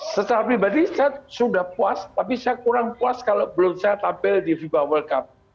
secara pribadi saya sudah puas tapi saya kurang puas kalau belum saya tampil di fiba world cup